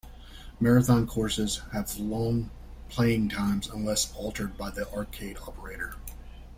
Marathon courses have long playing times unless altered by the arcade operator.